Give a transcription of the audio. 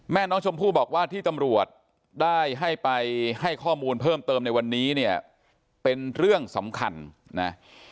แม่น้องชมพู่บอกว่าที่ตำรวจได้ให้ไปให้ข้อมูลเพิ่มเติมในวันนี้เนี่ยเป็นเรื่องสำคัญนะ